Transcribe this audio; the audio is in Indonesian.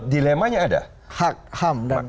dilemanya ada hak ham